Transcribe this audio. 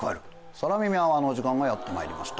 空耳アワーのお時間がやってまいりました。